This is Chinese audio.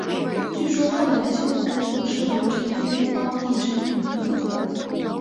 据说后来的修复工作是由陈逸飞胞弟陈逸鸣负责。